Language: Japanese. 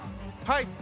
はい。